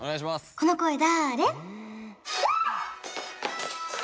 この声だーれ？